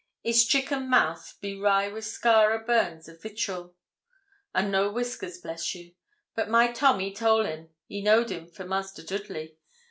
His chick and mouth be wry wi' scar o' burns or vitterel, an' no wiskers, bless you; but my Tom ee toll him he knowed him for Master Doodley.